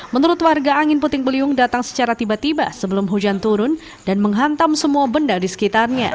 menurut warga angin puting beliung datang secara tiba tiba sebelum hujan turun dan menghantam semua benda di sekitarnya